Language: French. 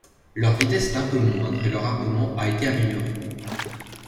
Leur vitesse est un peu moindre et leur armement a été amélioré.